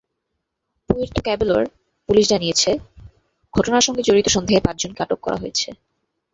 Puerto ক্যাবেলোর police জানিয়েছে, ঘটনার সঙ্গে জড়িত সন্দেহে পাঁচজনকে আটক করা হয়েছে।